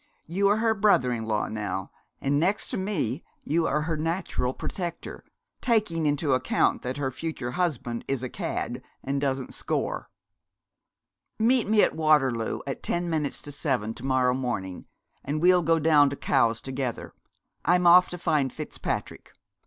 You are her brother in law now, and, next to me, you are her natural protector, taking into account that her future husband is a cad and doesn't score.' 'Meet me at Waterloo at ten minutes to seven to morrow morning, and we'll go down to Cowes together. I'm off to find Fitzpatrick.